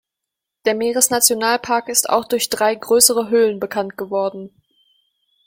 Der Meeres-Nationalpark ist auch durch drei größere Höhlen bekannt geworden.